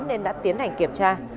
nên đã tiến hành kiểm tra